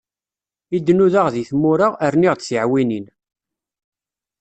I d-nudaɣ deg tmura, rniɣ-d tiɛwinin.